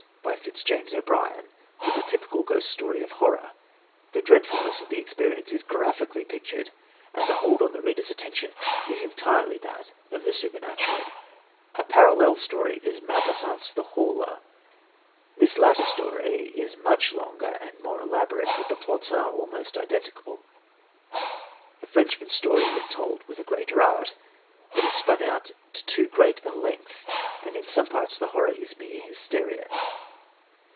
by Fitzjames O'Brien, is a typical Ghost Story of horror. The dreadfulness of the experience is graphically pictured and the hold on the reader's attention is entirely that of the supernatural. 32 THE TECHNIQUE OF THE MYSTERY StORY A parallel story is Maupassant's "The Horla." This latter story is much longer and more elaborate, but the plots are almost identical. The Frenchman's story is told with a greater art, but is spim out to too great a lengthy and in some parts the horror is mere hysteria.